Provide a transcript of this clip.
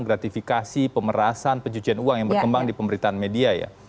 gratifikasi pemerasan pencucian uang yang berkembang di pemberitaan media ya